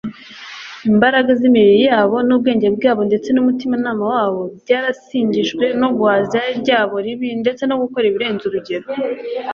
imbaraga z'imibiri yabo n'ubwenge bwabo ndetse n'umutimanama wabo byarasigingijwe no guhaza irari ryabo ribi ndetse no gukora birenze urugero